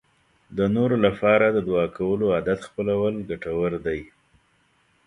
د نورو لپاره د دعا کولو عادت خپلول ګټور دی.